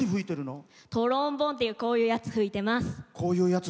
トロンボーンっていうこういうやつ吹いています。